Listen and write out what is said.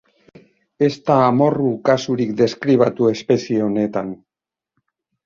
Ez da amorru kasurik deskribatu espezie honetan.